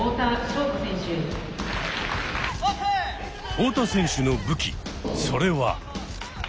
太田選手の武器それは。